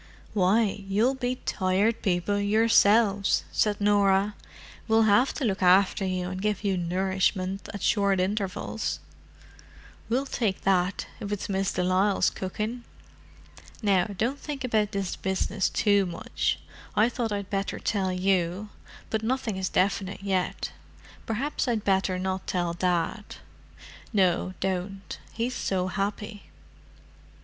"Why, you'll be Tired People yourselves," said Norah. "We'll have to look after you and give you nourishment at short intervals." "We'll take that, if it's Miss de Lisle's cooking. Now don't think about this business too much. I thought I'd better tell you, but nothing is definite yet. Perhaps I'd better not tell Dad." "No, don't; he's so happy."